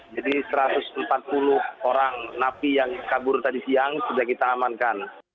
jadi satu ratus empat puluh orang napi yang kabur tadi siang sudah kita amankan